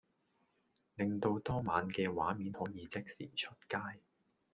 令到當晚嘅畫面可以即時出街